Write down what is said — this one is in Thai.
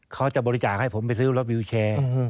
เขาจะบริจาคให้ผมไปซื้อรถวิวแชร์